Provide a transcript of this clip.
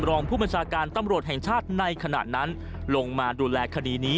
รองภูมิชาการตำรวจแห่งชาติในขณะนั้น